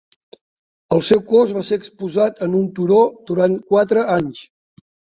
El seu cos va ser exposat en un turó durant quatre anys.